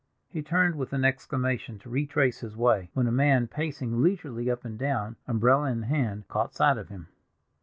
He turned with an exclamation to retrace his way, when a man pacing leisurely up and down, umbrella in hand, caught sight of him.